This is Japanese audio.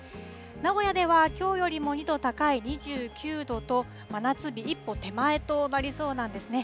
名古屋ではきょうよりも２度高い２９度と、真夏日一歩手前となりそうなんですね。